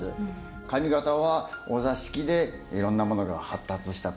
上方はお座敷でいろんなものが発達したと言えますよね。